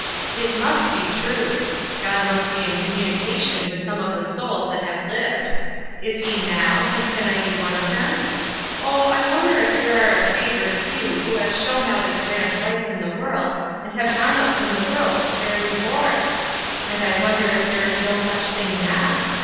"It must be true. God must be in communication with some of the souls that have lived. Is he now, and can I be one of them? Oh, I wonder if there are a favored few who have shone out as grand lights in the world and have gone up from the world to their reward? And I wonder if there is no such thing now?